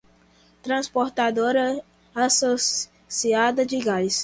Transportadora Associada de Gás